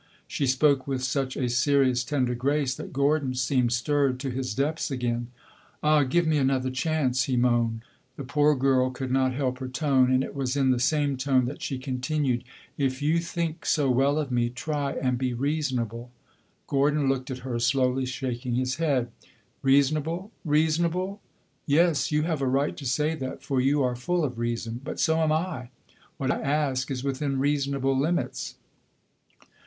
She spoke with such a serious, tender grace, that Gordon seemed stirred to his depths again. "Ah, give me another chance!" he moaned. The poor girl could not help her tone, and it was in the same tone that she continued "If you think so well of me, try and be reasonable." Gordon looked at her, slowly shaking his head. "Reasonable reasonable? Yes, you have a right to say that, for you are full of reason. But so am I. What I ask is within reasonable limits."